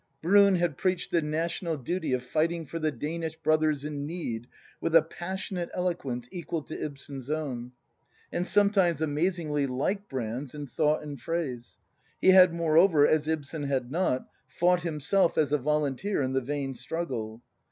Bruun had preached the national duty of fighting for the Danish brothers in need with a passion ate eloquence equal to Ibsen's own, and sometimes amaz ingly like Brand's in thought and phrase: he had, more over, as Ibsen had not, fought himself as a volunteer in the vain struggle.